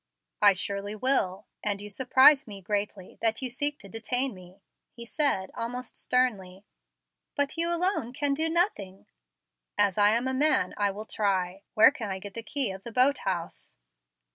"I surely will; and you surprise me greatly that you seek to detain me," he said, almost sternly. "But you alone can do nothing." "As I am a man I will try. Where can I get the key of the boat house?"